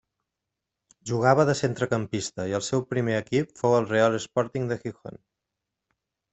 Jugava de centrecampista i el seu primer equip fou el Real Sporting de Gijón.